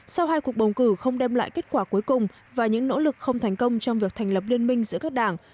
sau hai cuộc bầu cử không đem lại kết quả cuối cùng và những nỗ lực không thành công trong việc thành lập liên minh giữa các đảng